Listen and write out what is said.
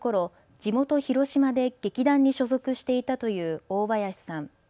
地元、広島で劇団に所属していたという大林さん。